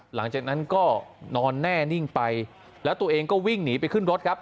หลังจากนั้นก็นอนแน่นิ่งไปแล้วตัวเองก็วิ่งหนีไปขึ้นรถครับ